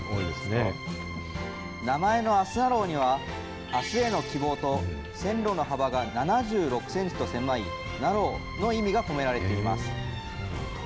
名前のあすなろうには、あすへの希望と線路の幅が７６センチと狭いナローの意味が込められています。